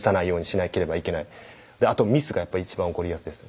あとミスが一番起こりやすいです。